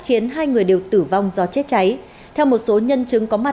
khiến hai người đều tử vong do chết cháy theo một số nhân chứng có mặt